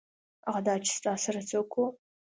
هغه دا چې ستا سره څوک وو.